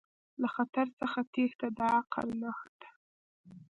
له خطر څخه تیښته د عقل نښه ده.